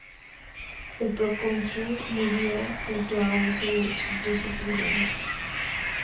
El procónsul murió junto a once de sus doce tribunos.